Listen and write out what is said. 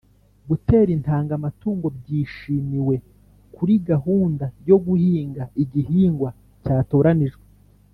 gutera intanga amatungo byishimiwe kuri gahunda yo guhinga igihingwa cyatoranijwe